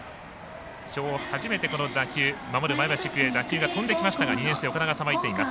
きょう、初めて前橋育英に打球が飛んでいきましたが２年生、岡田がさばいています。